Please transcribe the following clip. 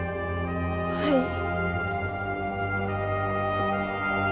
はい。